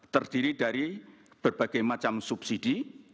terdiri dari berbagai macam subsidi